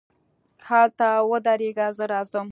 هلته ودرېږه، زه راځم.